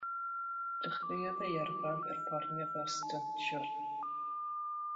Dechreuodd ei yrfa yn perfformio fel styntiwr.